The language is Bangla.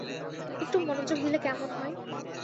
একটু মনোযোগ দিলে কেমন হয়?